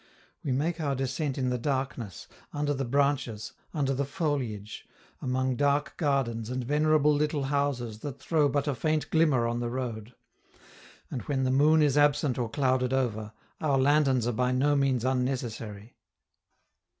We make our descent in the darkness, under the branches, under the foliage, among dark gardens and venerable little houses that throw but a faint glimmer on the road; and when the moon is absent or clouded over, our lanterns are by no means unnecessary.